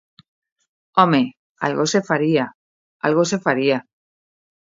¡Home!, ¡algo se faría, algo se faría!